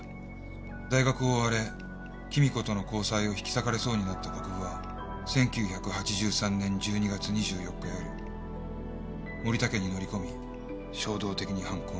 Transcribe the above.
「大学を追われ貴美子との交際を引き裂かれそうになった国府は一九八三年一二月二四日の夜森田家に乗り込み衝動的に犯行に及んだ」